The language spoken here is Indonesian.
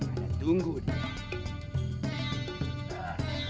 ana tunggu dia